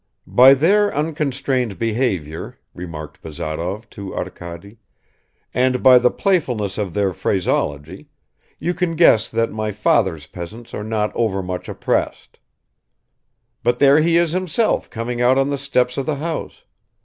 "By their unconstrained behavior," remarked Bazarov to Arkady, "and by the playfulness of their phraseology, you can guess that my father's peasants are not overmuch oppressed. But there he is himself coming out on the steps of the house.